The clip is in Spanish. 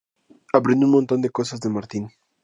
Aprendí un montón de cosas de Martin.